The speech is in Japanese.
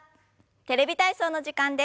「テレビ体操」の時間です。